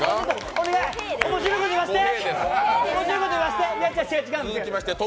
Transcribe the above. お願い、面白いこと言わせて！